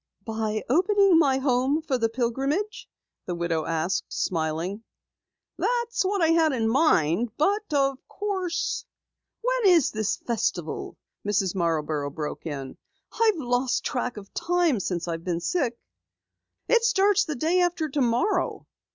"By opening my home for the Pilgrimage?" the widow asked, smiling. "That's what I had in mind, but of course " "When is the Festival?" Mrs. Marborough broke in. "I've lost track of time since I've been sick." "It starts day after tomorrow."